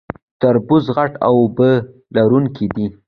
تربوز غټ او اوبه لرونکی دی